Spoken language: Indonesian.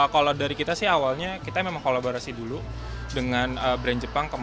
kalau dari kita sih awalnya kita memang kolaborasi dulu dengan brand jepang